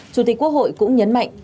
chủ tịch quốc hội cũng nhấn mạnh